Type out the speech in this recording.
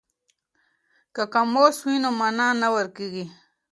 که قاموس وي نو مانا نه ورکیږي.